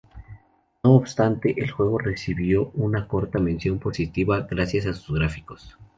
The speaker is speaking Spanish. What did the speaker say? No obstante, el juego recibió una corta mención positiva gracias a sus gráficos.